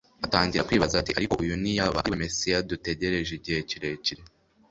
atangira kwibaza ati: "Ariko uyu ntiyaba ariwe Mesiya dutegereje igihe kirekire?